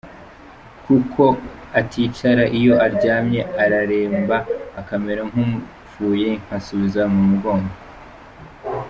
Kuko aticara, iyo aryamye araremba akamera nk’upfuye nkasubiza mu mugongo.